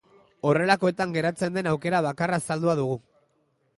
Horrelakoetan geratzen den aukera bakarra azaldua dugu.